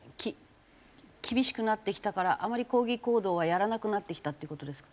厳しくなってきたからあまり抗議行動はやらなくなってきたっていう事ですか？